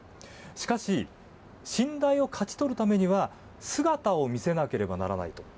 しかし、信頼を勝ち取るためには姿を見せなければならないと。